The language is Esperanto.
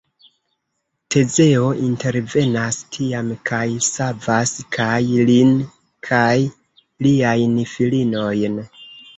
Tezeo intervenas tiam kaj savas kaj lin kaj liajn filinojn.